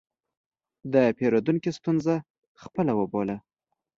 د پیرودونکي ستونزه خپله وبوله.